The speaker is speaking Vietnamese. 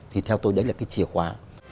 thì theo tôi đấy là cái chìa khóa